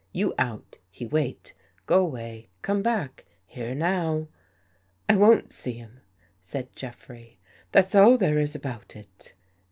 You out. He wait. Go way. Come back. Here now." " I won't see him," said Jeffrey. " That's all there is about it."